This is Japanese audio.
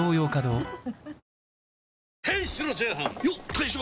大将！